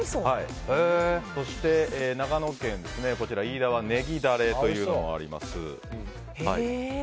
そして、長野県飯田はネギダレというのがあります。